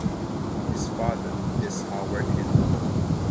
His father is Howard Hinton.